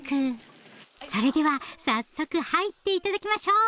それでは早速入っていただきましょう！